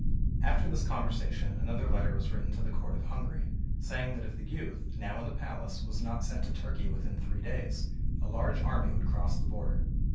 After this conversation another letter was written to the Court of Hungary, saying that if the youth, now in the palace, was not sent to Turkey within three days, a large army would cross the border.